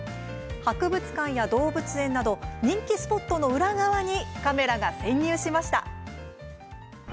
博物館や動物園など人気スポットの裏側にカメラが潜入しました。